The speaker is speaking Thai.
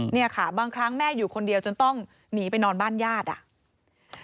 เนี่ยค่ะบางครั้งแม่อยู่คนเดียวจนต้องหนีไปนอนบ้านญาติอ่ะ